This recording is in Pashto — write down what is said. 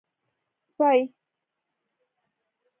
🐕 سپۍ